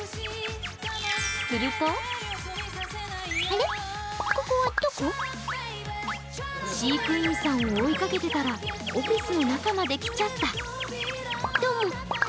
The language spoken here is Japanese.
すると飼育員さんを追いかけてたらオフィスの中まで来ちゃった。